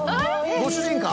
ご主人か？